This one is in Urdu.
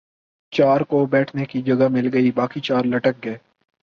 چار کو بیٹھنے کی جگہ مل گئی باقی چار لٹک گئے ۔